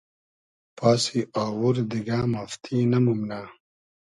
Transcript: پاسی آوور دیگۂ مافتی نئمومنۂ